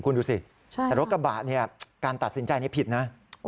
คุณดูสิแต่รถกระบะเนี่ยการตัดสินใจนี้ผิดนะ